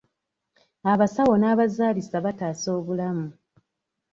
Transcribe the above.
Abasawo n'abazaalisa bataasa obulamu.